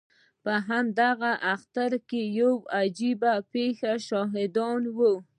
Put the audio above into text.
په همدغه اختر کې د یوې عجیبې پېښې شاهد وم.